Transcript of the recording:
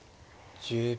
１０秒。